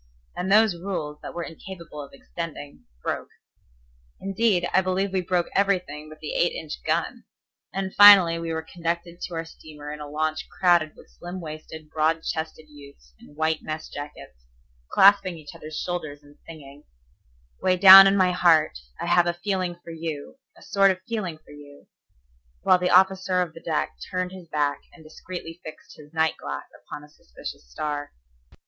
And those rules that were incapable of extending broke. Indeed, I believe we broke everything but the eight inch gun. And finally we were conducted to our steamer in a launch crowded with slim waisted, broad chested youths in white mess jackets, clasping each other's shoulders and singing, "Way down in my heart, I have a feeling for you, a sort of feeling for you"; while the officer of the deck turned his back, and discreetly fixed his night glass upon a suspicious star.